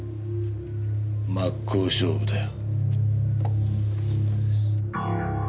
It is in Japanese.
真っ向勝負だよ。